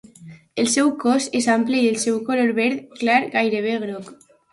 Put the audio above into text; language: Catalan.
El seu cos és ample i el seu color verd clar gairebé groc.